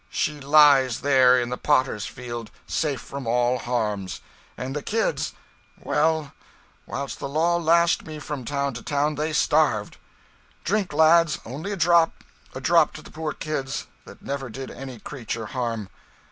She lies there, in the potter's field, safe from all harms. And the kids well, whilst the law lashed me from town to town, they starved. Drink, lads only a drop a drop to the poor kids, that never did any creature harm.